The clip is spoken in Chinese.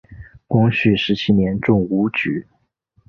光绪十七年中武举。